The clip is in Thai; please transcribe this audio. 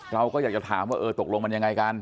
เราก็อยากจะถามว่าเออตกลงมันยังไงกัน